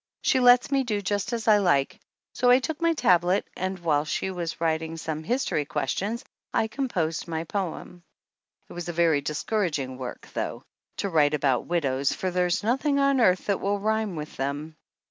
She lets me do just as I like, so I took my tablet and while she was writing some history questions I com posed on my poem. It is very discouraging work, though, to write about widows, for there's noth ing on earth that will rhyme with them.